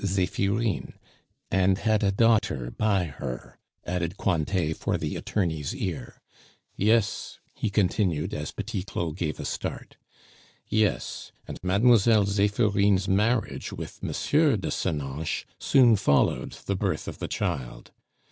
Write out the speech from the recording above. Zephirine, and had a daughter by her," added Cointet for the attorney's ear "Yes," he continued, as Petit Claud gave a start; "yes, and Mlle. Zephirine's marriage with M. de Senoches soon followed the birth of the child.